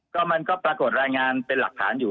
ก็มันก็ปรากฏรายงานเป็นหลักฐานอยู่